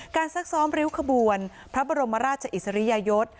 ซักซ้อมริ้วขบวนพระบรมราชอิสริยยศ